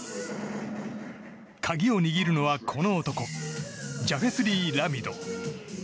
鍵を握るのは、この男ジャフェスリー・ラミド。